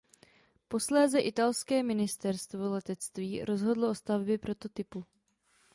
Posléze italské ministerstvo letectví rozhodlo o stavbě prototypu.